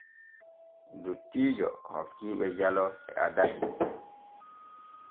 Dottiijo hokkiiɓe jalo e addahi.